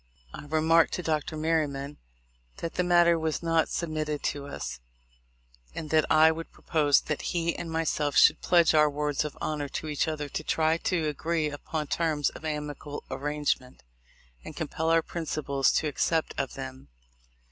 I remarked to Dr. Merryman that the matter was not submitted to us, and that I would propose that he and myself should pledge our words of honor to each other to try to agree upon terms of amicable arrangement, and compel our principals to accept of them.